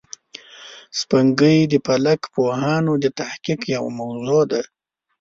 سپوږمۍ د فلک پوهانو د تحقیق یوه موضوع ده